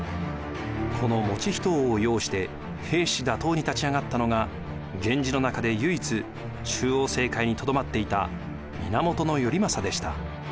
この以仁王を擁して平氏打倒に立ち上がったのが源氏の中で唯一中央政界に留まっていた源頼政でした。